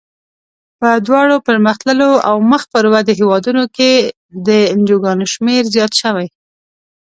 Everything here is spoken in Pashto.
په دواړو پرمختللو او مخ پر ودې هېوادونو کې د انجوګانو شمیر زیات شوی.